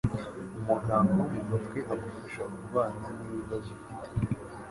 Umuganga wo mu mutwe agufasha kubana n'ibibazo ufite